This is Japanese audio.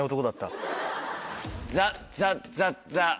ザッザッザッザッ。